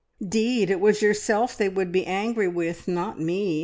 "'Deed, it was yourself they would be angry with, not me!